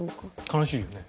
悲しいよね。